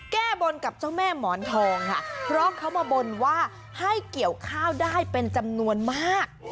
แก้บนกับเจ้าแม่หมอนทองค่ะเพราะเขามาบนว่าให้เกี่ยวข้าวได้เป็นจำนวนมาก